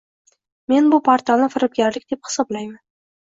Men bu portalni firibgarlik deb hisoblayman